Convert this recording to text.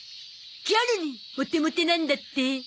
ギャルにモテモテなんだって。